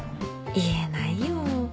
言えないよ。